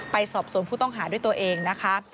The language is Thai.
ไปสอบสวนผู้ต้องหาด้วยตัวเองนะคะ